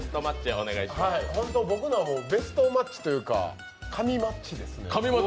僕のはベストマッチというか神マッチですね。